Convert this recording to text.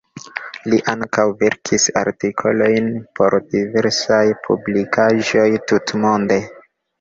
Li ankaŭ verkis artikolojn por diversaj publikaĵoj tutmonde.